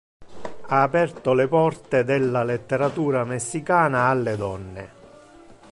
Ha aperto le porte della letteratura messicana alle donne.